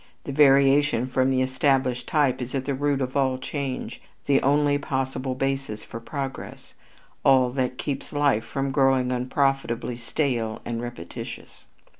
The variation from the established type is at the root of all change, the only possible basis for progress, all that keeps life from growing unprofitably stale and repetitious.